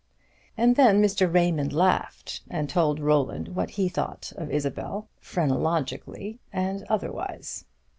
And then Mr. Raymond laughed, and told Roland what he thought of Isabel, phrenologically and otherwise.